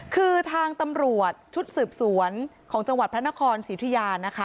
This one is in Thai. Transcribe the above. คือทางตำรวจชุดสืบสวนของจังหวัดพระนครศรีอุทยานะคะ